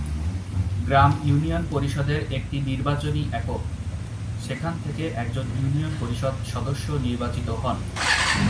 গ্রাম union পরিষদের একটি নির্বাচনী একক, যেখান থেকে একজন ইউনিয়ন পরিষদ সদস্য নির্বাচিত হন।